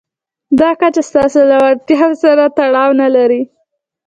دا کچه ستاسې له وړتیاوو سره تړاو نه لري.